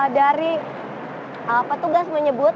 dari petugas menyebut